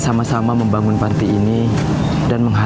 saya sudah lima tahun menjadi duda